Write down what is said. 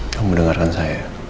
kamu dengarkan saya